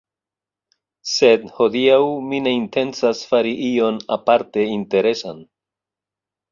Sed, hodiaŭ mi ne intencas fari ion aparte interesan